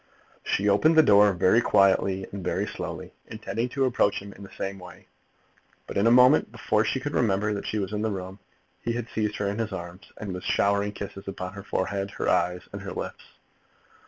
She opened the door very quietly and very slowly, intending to approach him in the same way. But in a moment, before she could remember that she was in the room, he had seized her in his arms, and was showering kisses upon her forehead, her eyes, and her lips.